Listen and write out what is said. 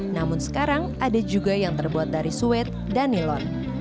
namun sekarang ada juga yang terbuat dari suet dan nilon